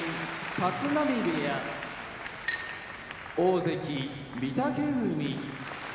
立浪部屋大関・御嶽海